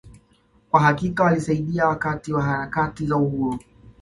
Kwa hakika walisaidia wakati wa harakati za Uhuru